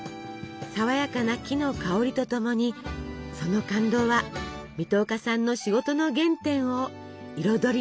爽やかな木の香りと共にその感動は水戸岡さんの仕事の原点を彩り続けます。